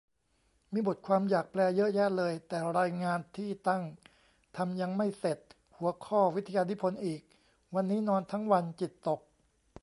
มีบทความอยากแปลเยอะแยะเลย แต่รายงานที่ตั้งทำยังไม่เสร็จ หัวข้อวิทยานิพนธ์อีก วันนี้นอนทั้งวัน จิตตก